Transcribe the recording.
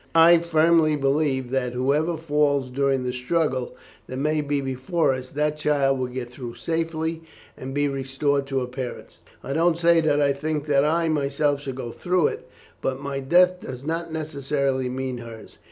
I firmly believe that, whoever falls during the struggle that may be before us, that child will get through safely and be restored to her parents. I don't say that I think that I myself shall go through it, but my death does not necessarily mean hers.